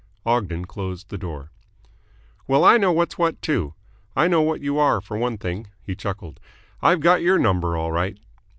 Ogden closed the door. "Well, I know what's what, too. I know what you are for one thing." He chuckled. "I've got your number all right."